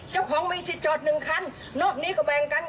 เจ้าของมีสิทธิ์จอดหนึ่งคันนอกนี้ก็แบ่งกัน